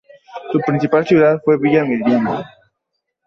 Su principal ciudad fue Villa Mediana.